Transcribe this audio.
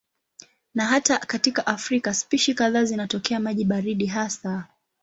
Na hata katika Afrika spishi kadhaa zinatokea maji baridi hasa.